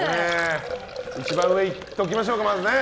一番上いっておきましょうか。